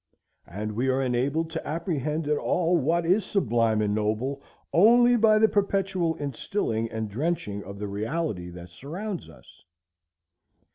And we are enabled to apprehend at all what is sublime and noble only by the perpetual instilling and drenching of the reality that surrounds us.